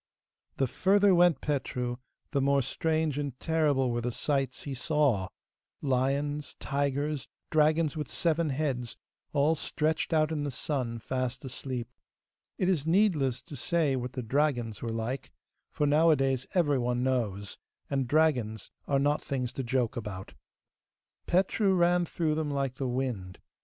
The further went Petru, the more strange and terrible were the sights he saw lions, tigers, dragons with seven heads, all stretched out in the sun fast asleep. It is needless to say what the dragons were like, for nowadays everyone knows, and dragons are not things to joke about. Petru ran through them like the wind.